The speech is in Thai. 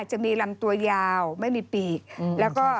จะมีลำตัวยาวไม่มีปีก